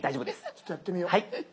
ちょっとやってみよう。